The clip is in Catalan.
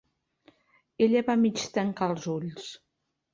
Ella va mig tancar els ulls.